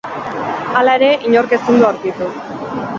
Hala ere, inork ezin du aurkitu.